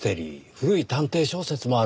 古い探偵小説もある。